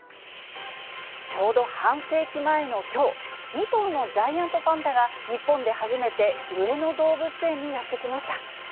ちょうど半世紀前のきょう、２頭のジャイアントパンダが、日本で初めて、上野動物園にやって来ました。